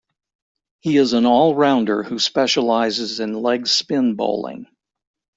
He is an allrounder who specializes in leg spin bowling.